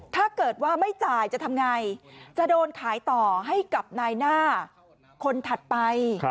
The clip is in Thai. ถ้าเกิดว่าไม่จ่ายจะทำไงจะโดนขายต่อให้กับนายหน้าคนถัดไป